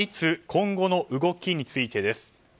今後の動きについてです。